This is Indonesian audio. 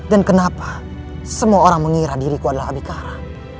dan kenapa semua orang mengira diriku adalah abikara